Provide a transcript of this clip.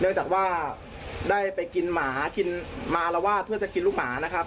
เนื่องจากว่าได้ไปกินหมามาละวาดเพื่อจะกินลูกหมานะครับ